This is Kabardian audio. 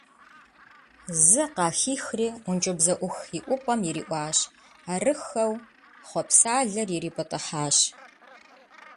Зы къахихри ӀункӀыбзэӀух иӀупӀэм ириӀуащ, арыххэу… хъуэпсалэр ирипӀытӀыхьащ.